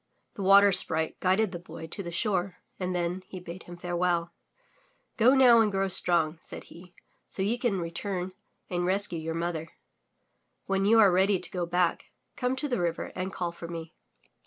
The Water Sprite guided the Boy to the shore and then he bade him farewell. Go now and grow strong,'* said he, so you can return and rescue your mother. When you are ready to go back, come to the river and call for me."